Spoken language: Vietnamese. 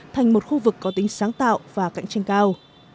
thành một khu vực có tính sáng tạo và cạnh tranh cao